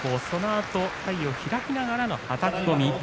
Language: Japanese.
そのあと体を開きながらのはたき込み。